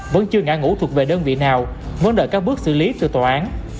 vẫn chưa ngã ngũ thuộc về đơn vị nào vẫn đợi các bước xử lý từ tòa án